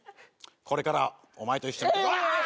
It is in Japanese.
これからお前と一緒にうえーい！